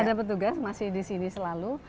ada petugas masih di sini selalu